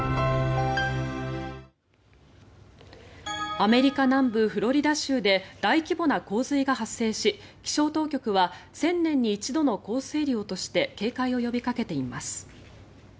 アメリカ南部フロリダ州で大規模な洪水が発生し気象当局は１０００年に一度の降水量として警戒を呼びかけています。